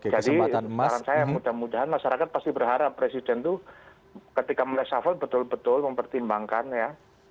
jadi saya harap mudah mudahan masyarakat pasti berharap presiden itu ketika melesafat betul betul mempertimbangkan ya